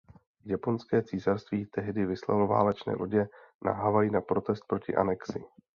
Japonské císařství tehdy vyslalo válečné lodě na Havaj na protest proti anexi.